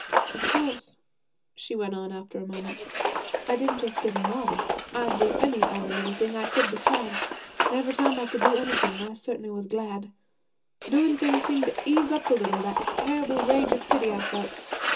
'Of course,' she went on after a moment, 'I didn't just give 'em water. I'd do any other little thing I could besides. An' every time I could do anything, I certainly was glad. Doing things seemed to ease up a little that terrible rage of pity I felt.